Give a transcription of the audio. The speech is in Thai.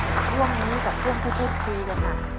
ช่วงนี้กับช่วงที่พูดคุยกันค่ะ